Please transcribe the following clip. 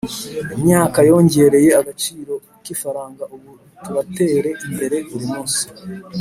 Imyaka yongereye agaciro kifaranga ubu turatere imbere buri munsi